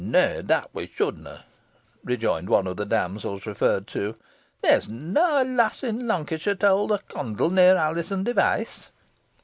"Nah, nah, that we shouldna," rejoined one of the damsels referred to; "there is na a lass i' Lonkyshiar to hold a condle near Alizon Device."